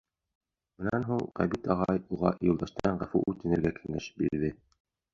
Бынан һуң Ғәбит ағай уға Юлдаштан ғәфү үтенергә кәңәш бирҙе.